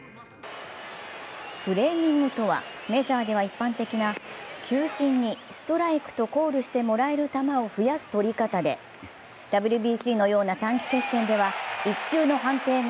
フレーミングとは、メジャーでは一般的な球審にストライクとコールしてもらえる球を増やす捕り方で、ＷＢＣのような短期決戦では１球の判定が